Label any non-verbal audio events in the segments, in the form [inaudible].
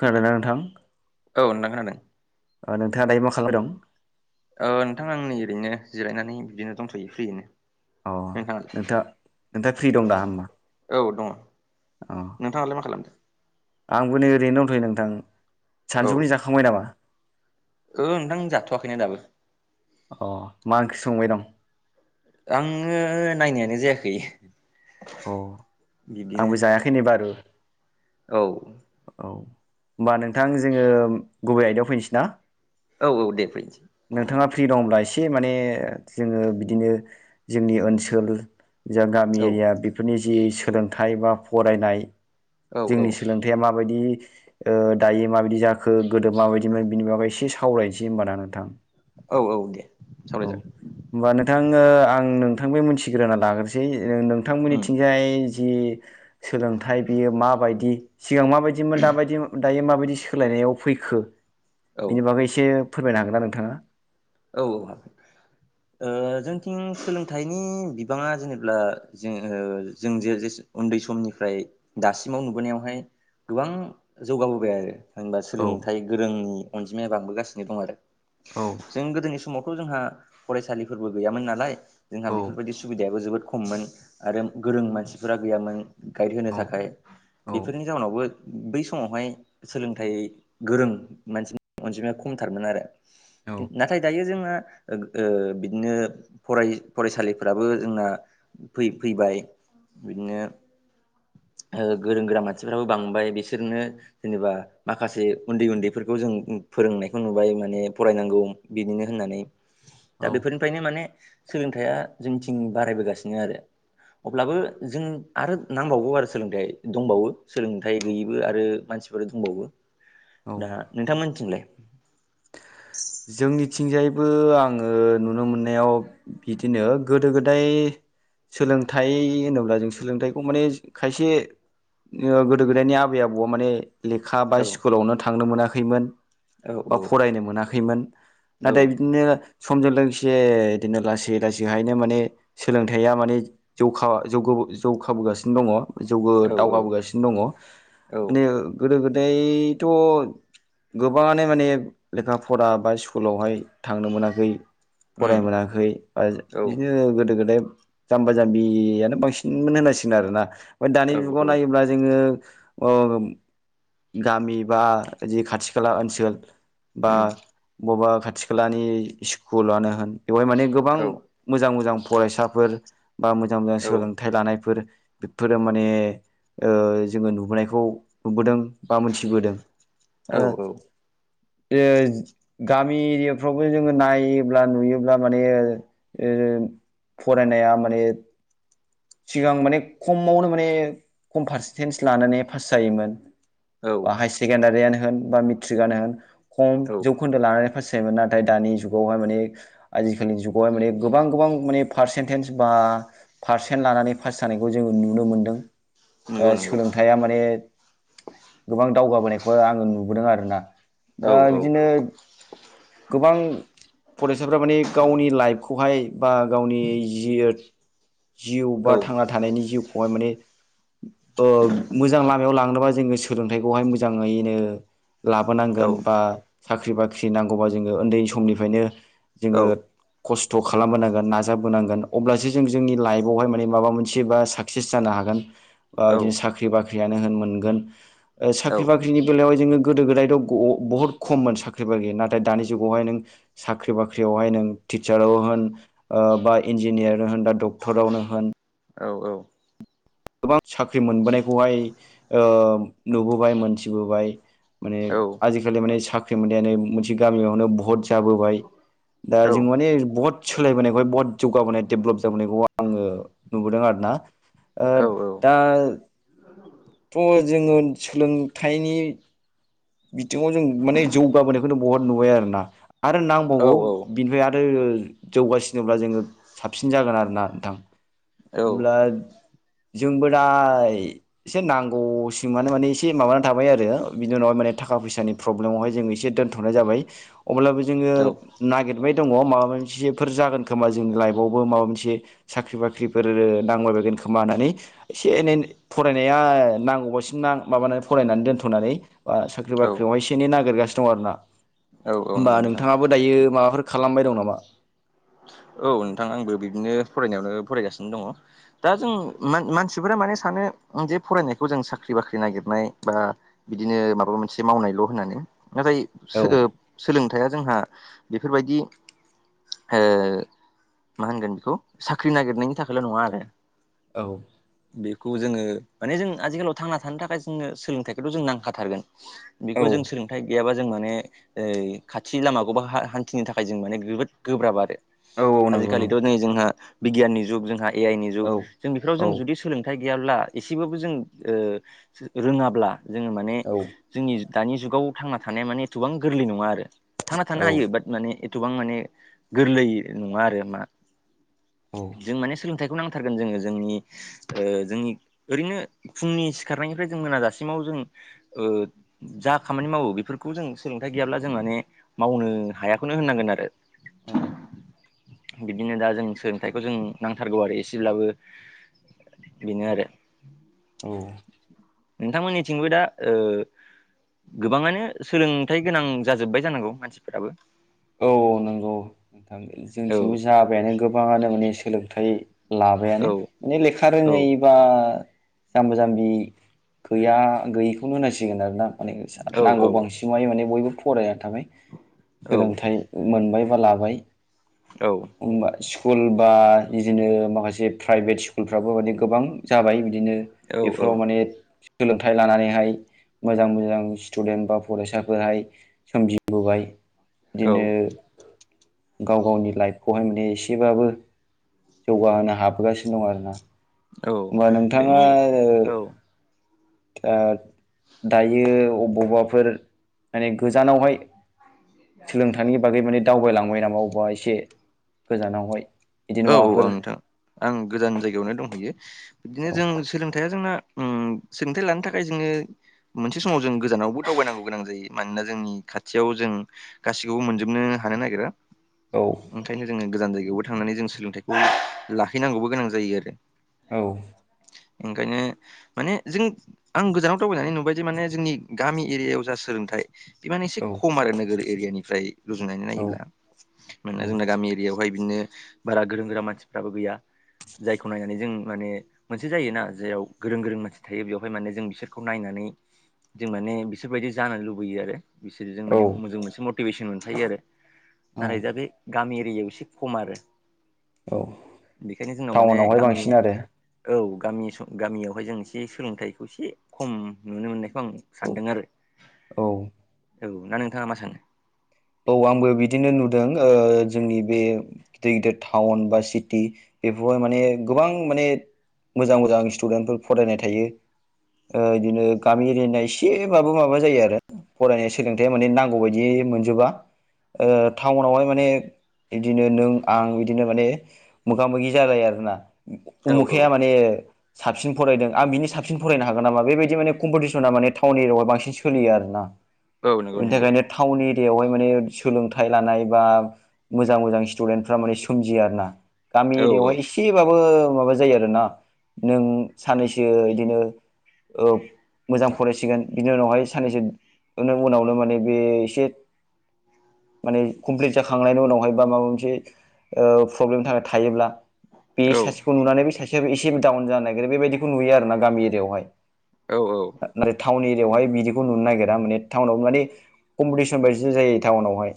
खोनादोंना नोंथां? औ नोंथां खोनादों। नोंथाङा दायो मा खालामबाय दं? ओ नोंथां आं नै ओरैनो जिरायनानै बिदिनो दंथ'यो फ्रियैनो। अ' नोंथाङालाय नोंथा नोंथाङा फ्रि दं दा होमबा? औ दङ औ नोंथाङालाय मा खालामदों? आंबो नै ओरैनो दंथ'यो नोंथां औ सानजौफनि जाखांबाय नामा? ओ नोंथां जाथ'वाखैना दाबो‌। अ' मा ओंख्रि संबाय दं? आङो नायनायानो जायाखै। औ इदिनो आंबो जायाखै नै बारु औ औ होमबा नोंथां जोङो गुबै आयदायाव फैनोसै ना? औ औ दे फैनोसै‌ नोंथाङा फ्रि दंब्ला एसे माने जोङो बिदिनो जोंनि ओनसोल जा गामि औ एरिया बेफोरनि जि सोलोंथाइ बा फरायनाय औ जोंनि सोलों थाया माबायदि ओ दायो माबायदि जाखो गोदो माबायदिमोन बिनि बागै एसे सावरायनोसै होमबाना नोंथां? औ औ दे सावराय औ जागोन। होमबा नोंथाङो ओ आं नोंथां बे मिथिग्रा लाग्रोसै उम नोंथांमोननिथिंजाय जि सोलोंथाइ बियो माबायदि सिगां माबायदिमोन दाबायदि दायो माबायदि सोलायनायाव फैखो औ बिनि बागै एसे फोरमायनो हागोना नोंथाङा? औ हागोन। [inaudible] ओ जोंथिं सोलोंथाइनि बिबाङा जेनेब्ला जों ओ जों जे जे उन्दै समनिफ्राय दासिमाव नुबोनायावहाय गोबां जौगाबोबाय आरो। होनबा औ सोलोंथाइ गोरोंनि अनजिमाया बांबोगासिनो दं आरो। औ जों गोदोनि समावथ' जोंहा फरायसालिफोरबो गैयामोन नालाय जोंहा औ बेफोरबायदि सुबिदायाबो जोबोद खममोन आरो गोरों मानसिफोरा गैयामोन। गाइड होनो औ थाखाय औ बेफोरनि जाउनावबो बै समावहाय सोलोंथाइ गोरों मानसिनि अनजिमाया खमथारमोन आरो नाथाय दायो जोंना ओ बिदिनो फराय फरायसालिफोराबो जोंना फै फैबाय बिदिनो गोरों गोरा मानसिफ्राबो बांबाय बिसोरनो जेनेबा माखासे उन्दै -उन्दैफोरखौ जों फोरोंनायखौ नुबाय माने फरायनांगौ बिनिनो होननानै औ दा औ बेफोर फ्रायनो माने सोलोंथाइया जोंथिं बारायबोगासिनो आरो अब्लाबो जों आरो नांबावगौ आरो सोलोंथाइ दंबावो सोलोंथाइ गैयैबो आरो मानसिफोर दंबावो औ दा नोंथांमोनथिंलाय? जोंनिथिंजायबो आङो नुनो मोननायाव बिदिनो गोदो गोदाय सोलोंथाइ होनोब्ला जों सोलोंथाइखौ माने खायसे ओ गोदो गोदायनि आबै आबौआ माने लेखा बा औ स्कुलावनो थांनो मोनाखैमोन। औ बा फरायनो मोनाखैमोन औ नाथाय बिदिनो समजों लोगोसे इदिनो लासै-लासैहायनो माने सोलोंथाइया माने जौखा जौगोबो जौखाबोगासिनो दङ' जौगो औ दावगाबोगासिनो दङ' औ माने ओ गोदो गोदायथ' गोबाङानो माने लेखा फरा बा स्कुलावहाय थांनो मोनाखै फराय उम मोनाखै बा औ बिदिनो गोदो गोदाय जाम्बा जाम्बियानो बांसिनमोन होनांसिगोन आरोना ओमफ्राय दानि औ जुगाव औ नायोब्ला जोङो अ गामि बा जि खाथि खाला ओनसोल बा उम बबेबा खाथि खालानि स्कुलानो होन बेवहाय माने गोबां औ मोजां - मोजां फरायसाफोर बा मोजां - मोजां औ सोलोंथाइ लानायफोर बेफोरो माने ओ जोङो नुबोनायखौ नुबोदों बा मोनथिबोदों औ ओ ओ गामि एरियाफ्रावबो जोङो नायोब्ला नुयोब्ला माने ओ फरायनाया माने सिगां माने खमावनो माने खम फारसेनटेेज लानानै फास जायोमोन औ बा हाय सेकेण्डारियानो होन बा मेथ्रिकआनो होन खम औ जौखोन्दो लानानै फास जायोमोन नाथाय दानि जुगावहाय माने आजिखालिनि जुगावहाय माने गोबां - गोबां माने पारसेन्टेन्ज बा फारसेन लानानै फास जानायखौ जोङो नुनो मोन्दों। ओ नंगौ नंगौ सोलोंथाइया माने गोबां दावगाबोनायखौ आङो नुबोदों आरोना औ ओ औ बिदिनो गोबां फरायसाफोरा माने गावनि लाइफ खौहाय बा गावनि जि ओ जिउ बा औ थांना थानायनि जिउखौहाय माने ओ मोजां लामायाव लांनोबा जोङो सोलोंथाइखौहाय मोजाङैनो औ लाबोनांगोन बा साख्रि बाख्रि नांगौबा जोङो ओन्दै समनिफ्रायनो जोङो औ खस्थ' खालामबोनांगोन नाजाबोनांगोन अब्लासो जों जोंनि लाइफआवहाय माने माबा मोनसे बा सा सेस जानो हागोन बा औ बिदिनो साख्रि बाख्रियानो होन मोनगोन ओ औ साख्रि बा [unintelligible] बेलायाव जोङो गोदो गोदायथ' ग' बहत खममोन साख्रि बाख्रि नाथाय दानि जुगावहाय नों साख्रि बाख्रियावहाय नों टिचाराव होन ओ बा इन्जिनियार होन बा डक थ'रावनो होन औ औ गोबां साख्रि मोनबोनायखौहाय ओ नुबोबाय मोनथिबोबाय माने आजिखालि माने साख्रि मोन्नायानो मोनसे गामियावनो बहत जाबोबाय दा जों माने बहत सोलायबोनायखौहाय बहत जौगाबोनाय डेभलप जाबोनायखौ आङो नुबोदों आरोना ओ दा थ' जोङो सोलोंथाइ बिथिङाव जों माने जौगाबोनायखौनो बहत नुबाय आरोना आरो नांबावगौ बिनिफ्राय आरो जौगासिनोब्ला जोङो साबसिन जागोन आरो ना नोंथां होमब्ला जोंबो दा एसे नांगौसिमानो माने एसे माबानानै थाबाय आरो बिनि उनावहाय माने थाखा फैसानि प्रब्लेमावहाय जों एसे दोनथ'नाय जाबाय अब्लाबो जोङो नागिरबाय दङ माबा मोनसेफोर जागोन खोमा जोंनि लाइफआवबो माबा मोनसे साख्रि बाख्रिफोर नाबायबायगोन खोमा होननानै एसे एनै फरायनाया नांगौबासिम माबानानै फरायनानै दोनथ'नानै साख्रि बाख्रियावहाय एनै नागिरगासिनो दं आरोना नंगौ होमबा नोंथां नोंथाङाबो दायो माबाफोर खालामबाय दं नामा? औ नोंथां आंबो बिदिनो फरायनायावनो फरायगासिनो दङ। दा जों मान मानसिफोरा माने सानो जे फरायनायखौ जों साख्रि बाख्रि नागिरनाय बा बिदिनो माबा मोनसे मावनायल' होननानै नाथाय औ सो सोलोंथाइया जोंहा बेफोरबायदि ओ मा होनगोन बेखौ साख्रि नागिरनायनि थाखायल' नङा आरो। औ बेखौ जोङो माने जों आजिखालाव थांना थानो थाखाय जोङो सोलोंथाइखौथ' जोंनो नांखाथारगोन। [inaudible] बेखौ जों सोलोंथाइ गैयाबा जों माने ओ खाथि लामाखौबा हान्थिनो थाखाय जों माने जोबोद गोब्राब आरो औ औ नंगौ नंगौ आजिखालिथ' नै जोंहा बिगियाननि जुग जोंहा एआइनि जुग औ जों बेफोराव जों औ जुदि सोलोंथाइ गैयाब्ला एसेबाबो जों ओ रोङाब्ला जोङो माने जोंनि दानि जुगाव थांना थानाया माने एथ'बां गोरलै नङा आरो। थांना थानो औ हायो बाट माने एथबां माने गोरलै नङा आरो मा औ जों माने सोलोंथाइखौ नांथारगोन जोङो जोंनि ओ जोंनि ओरैनो फुंनि सिखारनायनिफ्राय जों मोनाजासिमाव जों ओ जा खामानि मावो बेफोरखौ जों सोलोंथाइ गैयाब्ला जों माने मावनो हायाखौनो होननांगोन आरो। औ बिब्दिनो दा जों सोलोंथाइखौ जों नांथारगौ आरो एसेब्लाबो। बिनो आरो। औ नोंथांमोननिथिंबो दा ओ गोबाङानो सोलोंथाइ गोनां जाजोब्बाय जानांगौ मानसिफोराबो। औ नंगौ नोथां औ जोंथिंबो जाबायानो गोबाङानो माने सोलोंथाइ लाबायानो औ माने लेखा औ रोङै बा जाम्बा जाम्बि गैया गैयिखौनो होननांसिगोन आरोना। माने औ नांगौ बांसिनाय माने बयबो फरायना थाबाय। औ सोलोंथाइ मोनबाय बा लाबाय। औ। [unintelligible] स्कुल बा बिदिनो माखासे प्राइभेट स्कुलफ्राबो माने गोबां जाबाय बिदिनो बेफोराव औ माने सोलोंथाइ लानानैहाय मोजां मोजां स्टुडेन्ट बा फरायसाफोराहाय सोमजिबोबाय औ बिदिनो गाव गावनि लाइफखौहाय माने एसेबाबो जौगाहोनो हाबोगासिनो दं आरोना। औ होमबा नोंथाङा जोंनि औ ओ दायो अबावबाफोर माने गोजानावहाय सोलोंथाइनि बागै माने दावबायलांबाय नामा अबेबा एसे गोजानावहाय बिदिनो औ-औ माबाफोर आं नोंथां आं गोजान जायगायावनो दंहैयो बिदिनो जों सोलोंथाइया जोंना ओम सोलोंथाइ लानो थाखाय जोङो मोनसे समाव जों गोजानावबो दावबायनांगौ गोनां जायो मानोना जोंनि खाथियाव जों गासिखौबो मोनजोबनो हानो नागिरा। औ ओंखायनो जोङो गोजान जायगायावबो थांनानै जों सोलोंथाइखौ लाहैनांगौबो गोनां जायो आरो। औ एंगायनो माने जों आं गोजानाव दावबायनानै नुबायदि माने जोंनि गामि एरियायाव जा सोलोंथाइ बि माने एसे औ खम आरो नोगोरै। एरियानिफ्राय रुजुनानै औ नायोब्ला मानोना जोंना औ गामि एरियायावहाय बिदिनो बारा गोरों गोरा मानसिफ्राबो गैया जायखौ नायनानै जों माने मोनसे जायोना जेराव गोरों-गोरों मानसि थायो बेवहाय माने जों बिसोरखौ नायनानै जों माने बिसोरबायदि जानो लुबैयो आरो बिसोरो जों माने औ मोजां मोनसे मथ टिभेसन मोनखायो आरो औ नाथाय दा बे गामि एरियायाव एसे खम आरो। औ। बेखायनो जोंनाव माने टाउनावहाय गामि बांसिन आरो औ गामि स गामियावहाय जों एसे सोलोंथाइखौ एसे खम नुनो मोननायखौ आं सानदों आरो, औ औ औ ना नोंथाङा मा सानो? औ आंबो बिदिनो नुदों ओ जोंनि बे गिदिर-गिदिर टाउन बा सिटि बेफोरावाय माने गोबां माने मोजां-मोजां स्टुडेन्टफोर फरायनाय थायो। ओ इदिनो गामि एरिया ना एसेबाबो माबा जायो आरो। फरायनाय सोलोंथाइया माने नांगौ बायदि मोनजोबा ओ टाउनावहाय माने इदिनो नों आं बिदिनो माने मोगा मोगि जालायो आरो ना। औ औ उमुखाया माने साबसिन फरायदों आं बिनि साबसिन फरायनो हागोन नामा बेबायदि माने कम्पटिसना माने टाउन एरयायाव सोलियो आरोना। औ नंगौ बेनि नंगौ थाखायनो टाउन एरियायावहाय माने सोलोंथाइ लानाय बा मोजां-मोजां स्टुदेन्टफ्रा माने सोमजियो आरो ना। गामि औ एरियायावहाय एसेबाबो माबा जायो आरोना नों साननैसो इदिनो ओ मोजां फरायसिगोन बिनि उनावहाय साननैसो नि उनावनो माने बे एसे माने कमप्लिट जाखांनायनि उनावहाय बा माबा मोनसे प्रब्लेमनि थाखाय थायोब्ला बे औ सासेखौ नुनानै बे सासेआबो एसे डाउन जानो नागिरो बेबायदिखौ नुयो आरो ना गामि एरियायावहाय। औ-औ। [unintelligible] नाथाय टाउन एरिायावहाय बिदिखौ नुनो नागिरा माने टाउनाव माने कम्पटिसन बायदिसो जायो। टाउनावहाय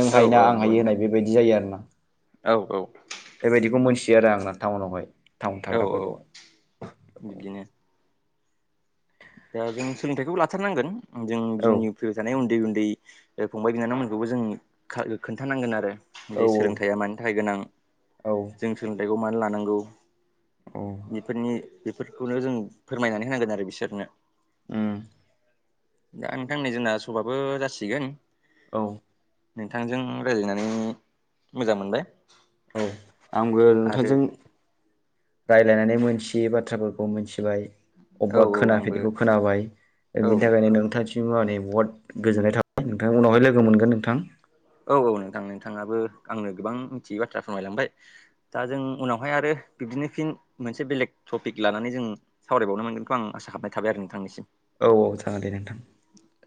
नों औ हायोना आं हायो होननाय बेबायदि जायो आरोना। औ-औ। बेबायदिखौ मोनथियो आरो आं ना टाउनावहाय। टाउन औ-औ थाग्राफोरखौहाय बिदिनो। दा जों सोलोंथाइखौबो लाथारनांगोन जों औ जोंनि फैबाय थानाय उन्दै-उन्दै फंबाय बिनानावमोनखौबो जों खोन्थानांगोन आरो। बे औ सोलोंथाइया मानि थाखाय गोनां औ जों सोलोंथाइखौ मानो लानांगौ औ बेफोरनि बेफोरखौनो जों फोरमायनानै होनांगोन आरो बिसोरनो। उम। दा नोंथां नै जोंना सबाबो जासिगोन। औ। नोंथांजों रायज्लायनानै मोजां मोनबाय। औ आंबो आरो नोंथांजों रायज्लायनानै मोनथियै बाथ्राफोरखौ मोनथिबाय। औ अबावबा औ आंबो खोनाफेरैखौ खोनाबाय औ बिनि थाखायनो नोंथां सिम आंनि बहुद गोजोननाय थाबाय नोंथां उनावहाय लोगो मोनगोन नोंथां। औ औ नोंथां नोंथाङाबो आंनो गोबां मिथियै बाथ्रा फोरमायलांबाय। दा जों उनावहाय आरो बिब्दिनो फिन मोनसे बेलेग टपिक लानानै जों सावरायबावनो मोनगोनखौ आं आसा खालामनाय थाबाय आरो नोंथांनिसिम। औ औ जागोन दे नोंथां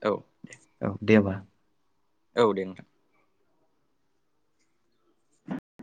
औ औ दे होमबा। औ दे नोंथां।